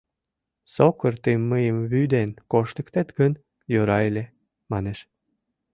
Сокыр «Тый мыйым вӱден коштыктет гын, йӧра ыле» манеш.